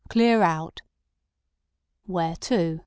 Clear out." "Where to?"